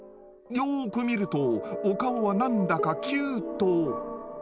よく見るとお顔は何だかキュート。